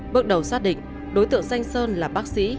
bước đầu xác định đối tượng danh sơn là bác sĩ